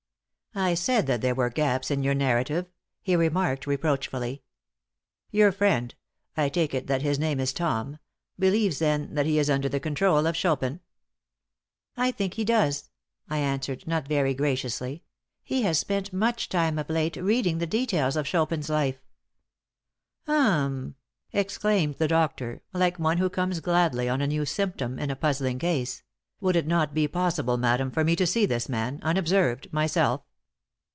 "I said that there were gaps in your narrative," he remarked, reproachfully. "Your friend I take it that his name is Tom believes, then, that he is under the control of Chopin?" "I think he does," I answered, not very graciously; "he has spent much time of late reading the details of Chopin's life." "H'm!" exclaimed the doctor, like one who comes gladly on a new symptom in a puzzling case; "would it not be possible, madam, for me to see this man, unobserved myself?